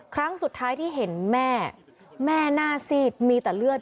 ครั้งสุดท้ายที่เห็นแม่แม่หน้าซีดมีแต่เลือด